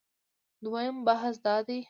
دویم بحث دا دی